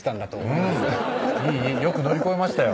いいいいよく乗り越えましたよ